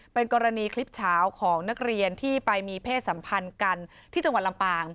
เป็นกรณีคลิปเฉาของนักเรียนที่ไปมีเพศสัมพันธ์กันที่จังหวัดลำปาง